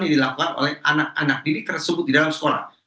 yang dilakukan oleh anak anak didik tersebut di dalam sekolah